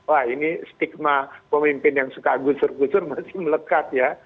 wah ini stigma pemimpin yang suka gusur gusur masih melekat ya